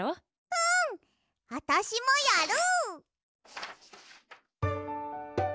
うん！あたしもやる！